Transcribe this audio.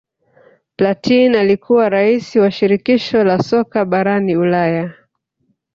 platin alikuwa rais wa shirikisho la soka barani Ulaya